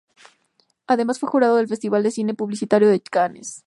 Además fue jurado del Festival de Cine Publicitario de Cannes.